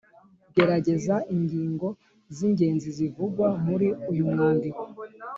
Garagaza ingingo z’ingenzi zivugwa muri uyu mwandiko